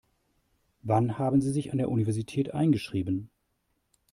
Wann haben Sie sich an der Universität eingeschrieben?